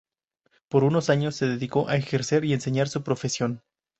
Por unos años se dedicó a ejercer y enseñar su profesión.